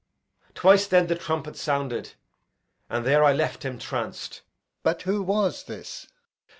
Twice then the trumpets sounded, And there I left him tranc'd. Alb. But who was this?